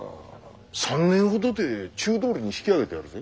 ３年ほどで中通りに引き上げてやるぜ。